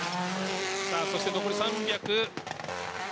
そして残り３００。